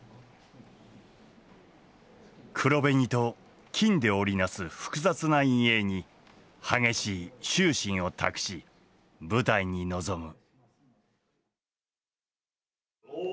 黒紅と金で織り成す複雑な陰影に激しい執心を託し舞台に臨む。